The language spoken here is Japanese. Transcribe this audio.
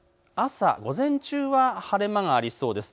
午前中は晴れ間がありそうです。